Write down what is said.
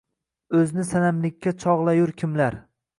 O‘zni sanamlikka chog‘layur kimlar…